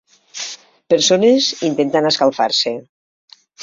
Persones intentant escalfar-se.